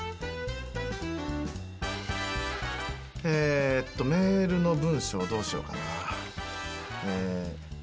えっとメールの文章どうしようかな。え。